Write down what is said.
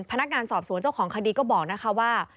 พนักงานสอบสวนเจ้าของคดีก็บอกนะคะว่า